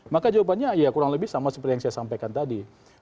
maka jawabannya ya kurang lebih sama seperti yang saya sampaikan tadi